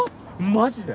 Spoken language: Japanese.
マジで？